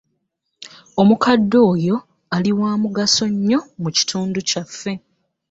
Omukadde oyo ali wa mugaso nnyo mu kitundu kyaffe.